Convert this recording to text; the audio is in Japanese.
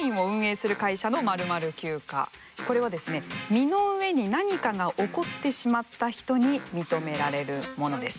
身の上に何かが起こってしまった人に認められるものです。